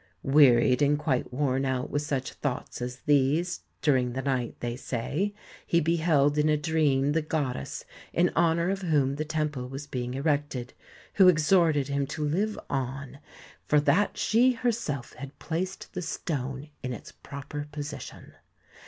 Wearied and quite worn out with such thoughts as these, during the night, they say, he beheld in a dream the goddess in honour of whom the temple was being erected; who exhorted him to live on, for that she herself had placed the stone in its proper position.